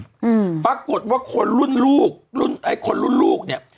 อืมปรากฏว่าคนรุ่นลูกรุ่นไอ้คนรุ่นลูกเนี้ย